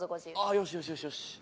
よしよしよしよし。